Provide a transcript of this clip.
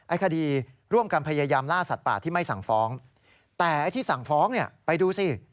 คดีร่วมกันพยายามล่าสัตว์ป่าที่ไม่สั่งฟ้องแต่ไอ้ที่สั่งฟ้องเนี่ยไปดูสิ